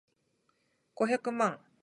五百万